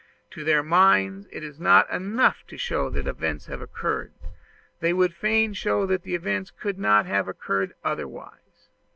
To their minds it is not enough to show what events have occurred: they would fain show that events could not have occurred otherwise.